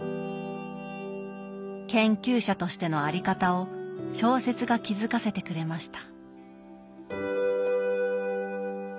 研究者としての在り方を小説が気付かせてくれました。